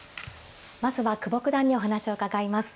まずは久保九段にお話を伺います。